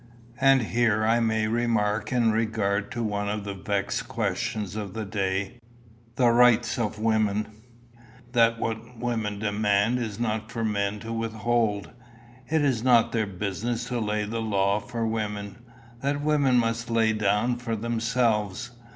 And here I may remark in regard to one of the vexed questions of the day the rights of women that what women demand it is not for men to withhold. It is not their business to lay the law for women. That women must lay down for themselves.